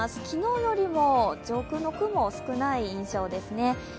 昨日よりも上空の雲少ない印象ですね。